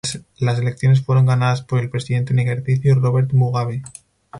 Las elecciones fueron ganadas por el presidente en ejercicio, Robert Mugabe.